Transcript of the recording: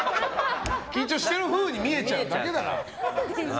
緊張してるふうに見えちゃうだけだから。